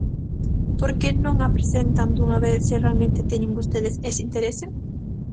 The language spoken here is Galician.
¿Por que non a presentan dunha vez se realmente teñen vostedes ese interese?